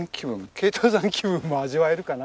軽登山気分も味わえるかな。